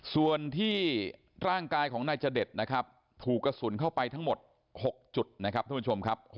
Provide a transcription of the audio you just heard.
ส่วนที่ร่างกายของนายจเดชนะครับถูกกระสุนเข้าไปทั้งหมด๖จุดนะครับท่านผู้ชมครับ